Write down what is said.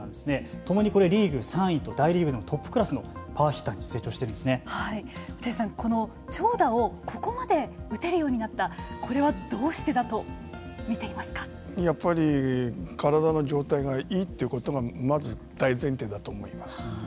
共にリーグ３位と大リーグのトップクラスのパワーヒッターに落合さん、この長打をここまで打てるようになったこれはどうしてだとやっぱり体の状態がいいということがまず大前提だと思います。